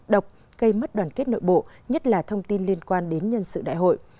độc gây mất đoàn kết nội bộ nhất là thông tin liên quan đến nhân sự đại hội